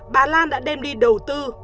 bà lan đã đem đi đầu tư